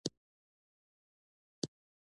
د فرهنګي ودې لپاره ځوانان تلپاتې رول لري.